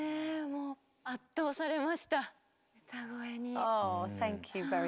もう圧倒されました歌声に。